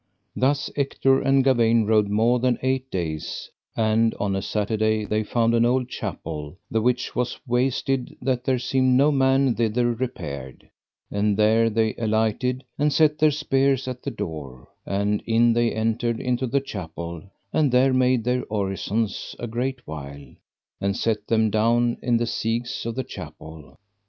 Thus Ector and Gawaine rode more than eight days, and on a Saturday they found an old chapel, the which was wasted that there seemed no man thither repaired; and there they alighted, and set their spears at the door, and in they entered into the chapel, and there made their orisons a great while, and set them down in the sieges of the chapel.